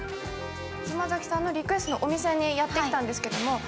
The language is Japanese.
島崎さんのリクエストのお店にやってきたんですけれども。